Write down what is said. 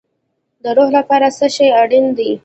د روح لپاره څه شی اړین دی؟